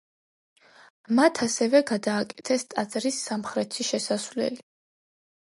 მათ ასევე გადააკეთეს ტაძრის სამხრეთი შესასვლელი.